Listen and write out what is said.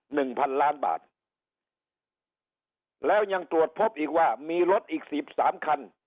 หนึ่งพันล้านบาทแล้วยังตรวจพบอีกว่ามีรถอีกสิบสามคัน